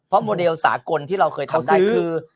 โมเดลสากลที่เราเคยทำได้คือ